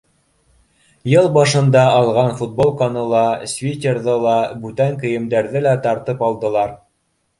Йыл башында алған футболканы ла, свитерҙы ла, бүтән кейемдәрҙе лә тартып алдылар.